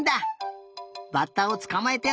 バッタをつかまえておいで！